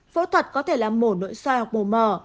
phẫu thuật có thể là mổ nội soi hoặc mổ mỏ